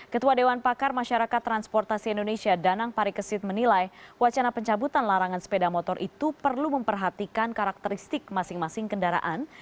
ketua dewan pakar masyarakat transportasi indonesia danang parikesit menilai wacana pencabutan larangan sepeda motor itu perlu memperhatikan karakteristik masing masing kendaraan